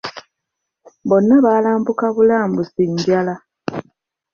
Bonna baalambuka bulambusi njala.